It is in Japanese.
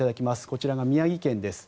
こちらが宮城県です。